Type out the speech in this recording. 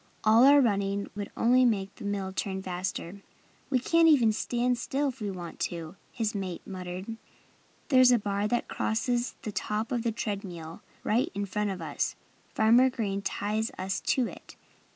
All our running would only make the mill turn faster." "We can't even stand still if we want to," his mate muttered. "There's a bar that crosses the top of the tread mill, right in front of us. Farmer Green ties us to it.